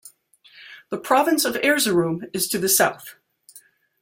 The province of Erzurum is to the south.